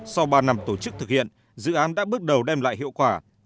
sau ba năm tổ chức thực hiện dự án đã bước đầu đem lại hiệu quả